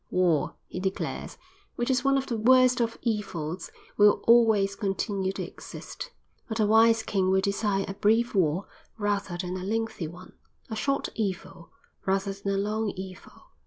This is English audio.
"War," he declares, "which is one of the worst of evils, will always continue to exist. But a wise king will desire a brief war rather than a lengthy one, a short evil rather than a long evil.